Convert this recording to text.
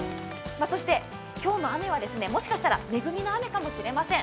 そして今日の雨はもしかしたら恵みの雨かもしれません。